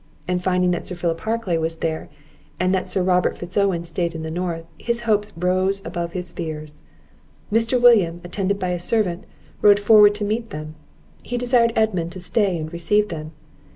and finding that Sir Philip Harclay was there, and that Sir Robert Fitz Owen stayed in the North, his hopes rose above his fears. Mr. William, attended by a servant, rode forward to meet them; he desired Edmund to stay and receive them.